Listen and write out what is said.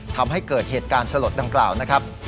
ทำให้เกิดเหตุการณ์สลดดังกล่าวนะครับ